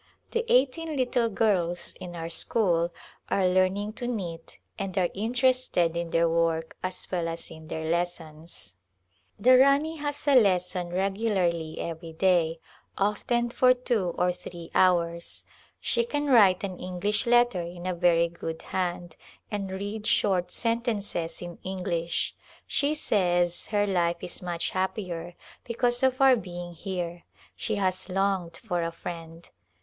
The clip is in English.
The eighteen little girls in our school are learning to knit and are interested in their work as well as in their lessons. The Rani has a lesson regularly every day — often A GIi?npse of India for two or three hours. She can write an English letter in a very good hand, and read short sentences in English. She says her life is much happier because of our being here ; she has longed for 2ifrie?id.